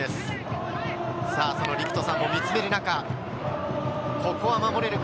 りくとさんも見つめる中、ここは守れるか？